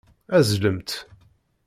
Azzelemt.